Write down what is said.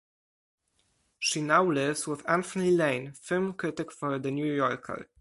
She now lives with Anthony Lane, film critic for "The New Yorker".